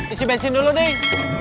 isi bensin dulu nih